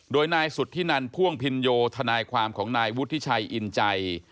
โดยนายสุธินันพ่วงพินโยธนายความของนายวุฒิชัยอินใจ